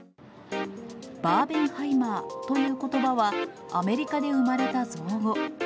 バーベンハイマーということばは、アメリカで生まれた造語。